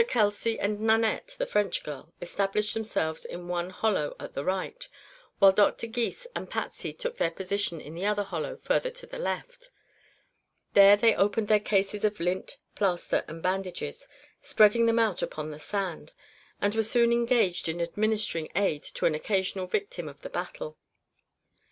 Kelsey and Nanette, the French girl, established themselves in one hollow at the right, while Dr. Gys and Patsy took their position in another hollow further to the left. There they opened their cases of lint, plaster and bandages, spreading them out upon the sand, and were soon engaged in administering aid to an occasional victim of the battle.